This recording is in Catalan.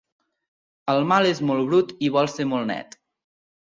El mal és molt brut i vol ser molt net.